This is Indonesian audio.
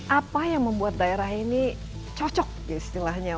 apa yang membuat daerah ini cocok istilahnya